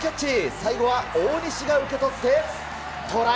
最後は大西が受け取って、トライ。